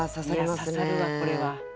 いや刺さるわこれは。